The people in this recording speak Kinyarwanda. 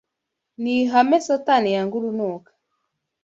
ni ihame Satani yanga urunuka